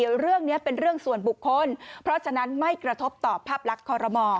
เดี๋ยวเรื่องนี้เป็นเรื่องส่วนบุคคลเพราะฉะนั้นไม่กระทบต่อภาพลักษณ์คอรมอ